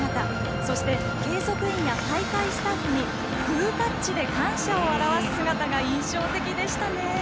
そして計測員や大会スタッフにグータッチで感謝を表す姿が印象的でした。